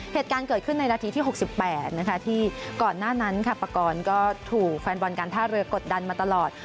เหตุการณ์เกิดขึ้นในนาทีที่๖๘นะคะที่ก่อนหน้านั้นค่ะปากรก็ถูกแฟนบอลการท่าเรือกดดันมาตลอด